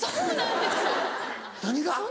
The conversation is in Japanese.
何が？